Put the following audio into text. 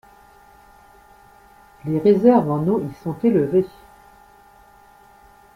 Les réserves en eau y sont élevées.